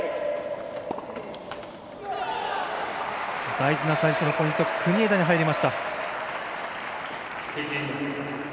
大事な最初のポイント国枝に入りました。